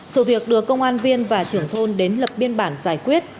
sự việc được công an viên và trưởng thôn đến lập biên bản giải quyết